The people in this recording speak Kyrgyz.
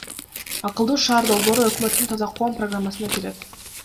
Акылдуу шаар долбоору өкмөттүн Таза коом программасына кирет.